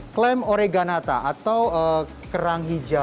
klaim oreganata atau kerang hijau